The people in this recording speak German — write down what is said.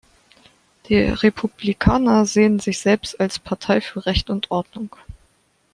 Die Republikaner sehen sich selbst als „Partei für Recht und Ordnung“.